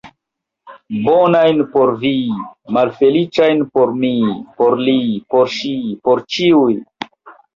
Bonajn por vi, malfeliĉajn por mi, por li, por ŝi, por ĉiuj!